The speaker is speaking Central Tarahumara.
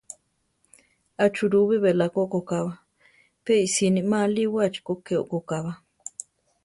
Achúrubi beláko okokába; pe isíini ma aliwáchi ko ké okóʼkaba.